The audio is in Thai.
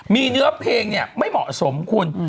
มีเนื้อเพลงไม่เหมาะสมคุณ